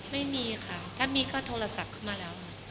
ไม่มีค่ะถ้ามีก็โทรศัพท์เข้ามาแล้ว